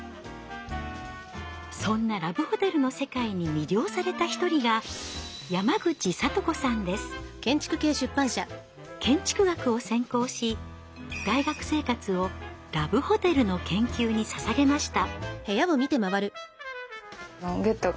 そんなラブホテルの世界に魅了された一人が建築学を専攻し大学生活をラブホテルの研究にささげました。